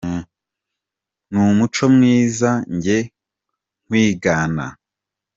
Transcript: N'umuco mwiza njye nkwigana